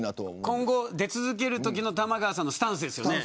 今後、出続けるときの玉川さんのスタンスですよね。